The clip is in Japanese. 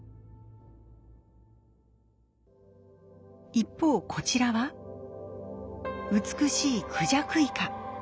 一方こちらは美しいクジャクイカ。